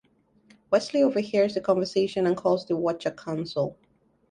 Wesley overhears the conversation and calls the Watcher Council.